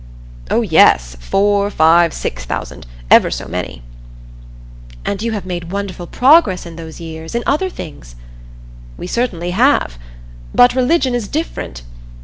"Oh yes four, five, six thousand every so many." "And you have made wonderful progress in those years in other things?" "We certainly have. But religion is different.